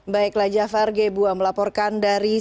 baiklah jafar gebuah melaporkan